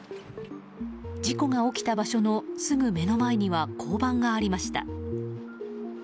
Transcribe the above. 事故が起きた場所のすぐ目の前には交番がありました。